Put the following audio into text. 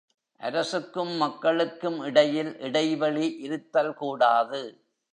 அரசுக்கும் மக்களுக்கும் இடையில் இடைவெளி இருத்தல்கூடாது.